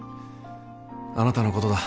あなたのことだ。